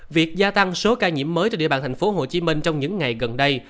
việc gia tăng số ca nhiễm mới trên địa bàn tp hcm trong những ngày gần đây